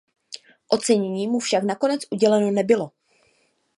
Ocenění mu však nakonec uděleno nebylo.